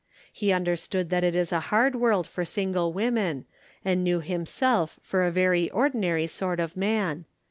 He understood that it is a hard world for single women, and knew himself for a very ordinary sort of man.